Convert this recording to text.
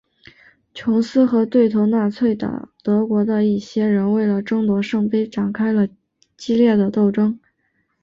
琼斯和对头纳粹德国的一些人为了争夺圣杯展开了激烈的斗争。